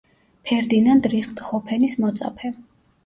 ფერდინანდ რიხტჰოფენის მოწაფე.